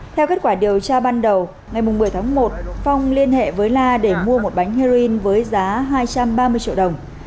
theo kết quả điều tra ban đầu ngày một mươi tháng một phong liên hệ với la để mua một bánh heroin với giá hai trăm ba mươi triệu đồng